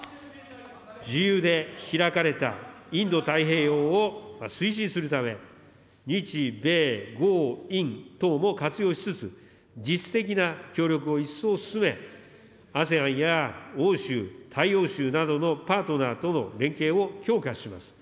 自由で開かれたインド太平洋を推進するため、日米豪印等も活用しつつ、実質的な協力を進め、ＡＳＥＡＮや欧州、大洋州などのパートナーとの連携を強化します。